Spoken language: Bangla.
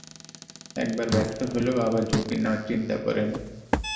একবার ব্যর্থ হলেও আবার ঝুঁকি নেয়ার চিন্তা করেন।